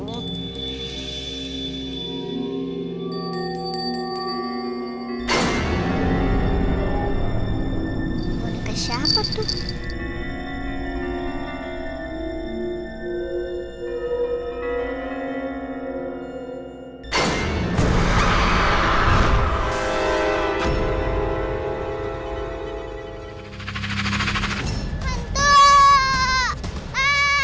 mau deket siapa tuh